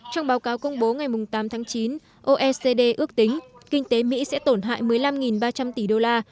trong báo cáo công bố ngày tám tháng chín oecd ước tính kinh tế mỹ sẽ tổn hại một mươi năm ba trăm linh tỷ đô la